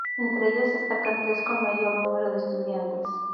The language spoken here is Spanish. Entre ellas destacan tres con mayor número de estudiantes.